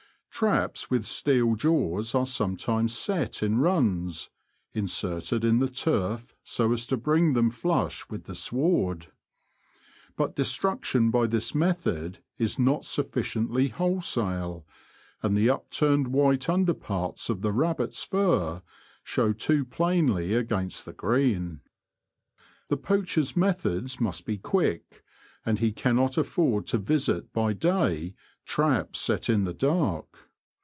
Traps with steel jaws are sometimes set in runs, inserted in the turf so as to bring them flush with the sward. But destruction by this method is not sufficiently wholesale, and the upturned white under parts of the rabbit's fur show too plainly against the green. The poacher's methods must be quick, and he can not afford to visit by day traps set in the dark.